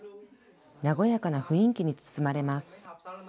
和やかな雰囲気に包まれます。